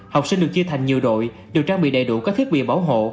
học sinh được chia thành nhiều đội được trang bị đầy đủ các thiết bị bảo hộ